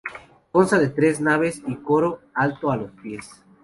Consta de tres naves y coro alto a los pies.